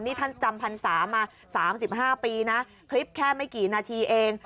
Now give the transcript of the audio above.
นี่ท่านจำพรรษามา๓๕ปีนะคลิปแค่ไม่กี่นาทีเอง